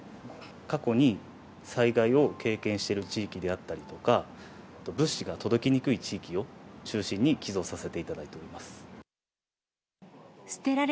過去に災害を経験してる地域であったりとか、物資が届きにくい地域を中心に寄贈させていただいております。